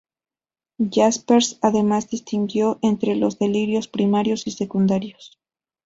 Jaspers además distinguió entre los delirios primarios y secundarios.